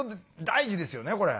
大事ですよねこれ。